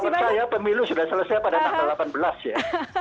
menurut saya pemilu sudah selesai pada tanggal delapan belas ya